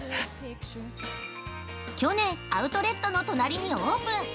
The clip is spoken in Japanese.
◆去年、アウトレットの隣にオープン。